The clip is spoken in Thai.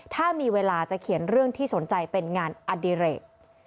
ถ้ามีเวลาจะเขียนเรื่องที่สนใจเป็นงานอดิเรก